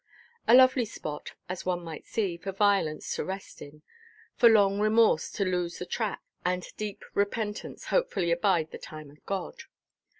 A lovely spot, as one might see, for violence to rest in, for long remorse to lose the track, and deep repentance hopefully abide the time of God.